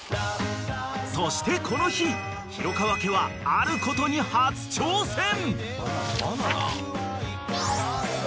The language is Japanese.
［そしてこの日廣川家はあることに初挑戦］